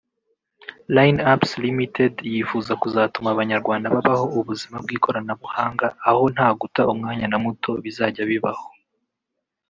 Line Apps Ltd yifuza kuzatuma Abanyarwanda babaho ubuzima bw’ikoranabuhanga aho nta guta umwanya na muto bizajya bibaho